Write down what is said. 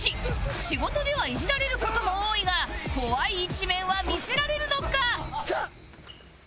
仕事ではイジられる事も多いが怖い一面は見せられるのか？